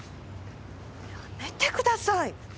やめてください！